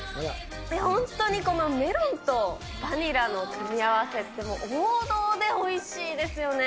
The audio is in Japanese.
本当にこのメロンとバニラの組み合わせって、王道でおいしいですよね。